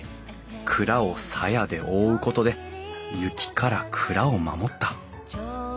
蔵を鞘で覆うことで雪から蔵を守った。